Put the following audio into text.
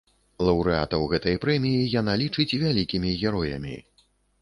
Лаўрэатаў гэтай прэміі яна лічыць вялікімі героямі.